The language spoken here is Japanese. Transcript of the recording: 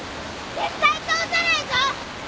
絶対通さないぞ！